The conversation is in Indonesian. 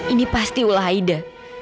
ini pasti ulah aida